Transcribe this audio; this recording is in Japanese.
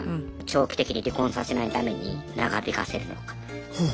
長期的に離婚させないために長引かせるのか。